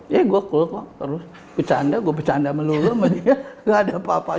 iya gue cool kok terus gue bercanda gue bercanda sama lulu sama dia gak ada apa apa